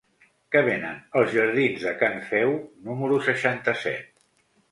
Què venen als jardins de Can Feu número seixanta-set?